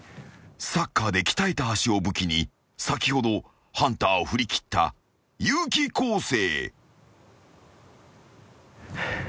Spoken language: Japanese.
［サッカーで鍛えた足を武器に先ほどハンターを振り切った結木滉星］